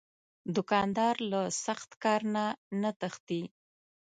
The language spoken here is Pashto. دوکاندار له سخت کار نه نه تښتي.